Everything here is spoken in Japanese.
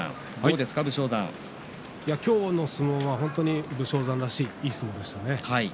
今日の相撲は本当に武将山らしいいい相撲でしたね。